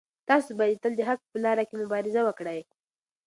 تاسو باید تل د حق په لاره کې مبارزه وکړئ.